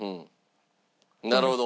なるほど。